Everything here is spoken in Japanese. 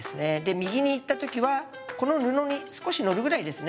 右に行った時はこの布に少し載るぐらいですね。